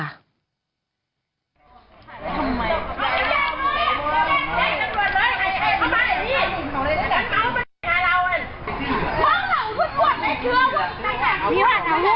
พี่แจงด้วยกลับมาหน่อยอย่าเข้ามาให้ดี